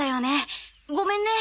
ごめんね。